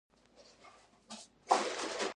په دې توافق نشي کولای چې يوه ستونزه څرنګه اداره شي.